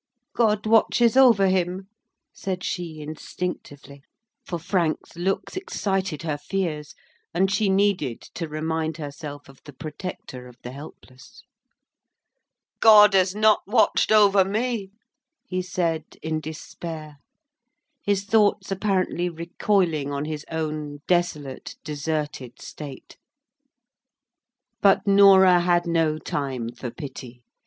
"God watches over him," said she instinctively; for Frank's looks excited her fears, and she needed to remind herself of the Protector of the helpless. "God has not watched over me," he said, in despair; his thoughts apparently recoiling on his own desolate, deserted state. But Norah had no time for pity.